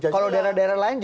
kalau daerah daerah lain